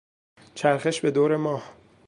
چرخش به دور ماه